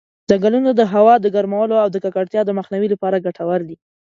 ځنګلونه د هوا د ګرمولو او د ککړتیا د مخنیوي لپاره ګټور دي.